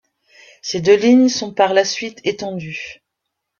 Ces deux lignes sont par la suite étendues.